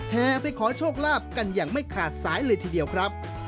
แห่ไปขอโชคลาภกันอย่างไม่ขาดสายเลยทีเดียวครับ